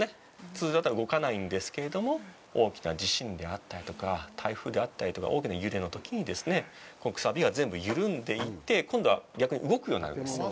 通常だったら動かないんですけれども大きな地震であったりとか台風であったりとか大きな揺れのときにこのくさびが全部緩んでいって今度は逆に動くようになるんですよ。